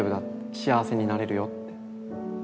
幸せになれるよって。